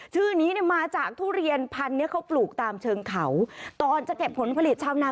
ชื่อนี้เนี่ยมาจากทุเรียนพันธุ์นี้เขาปลูกตามเชิงเขาตอนจะเก็บผลผลิตชาวนา